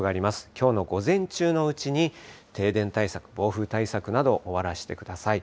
きょうの午前中のうちに停電対策、暴風対策など終わらせてください。